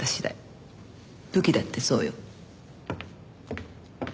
武器だってそうよ。